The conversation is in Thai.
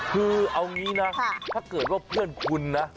คือเอางี้นะถ้าเกิดว่าเพื่อนคุณนะ